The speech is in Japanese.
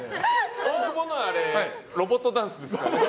大久保のはロボットダンスですね。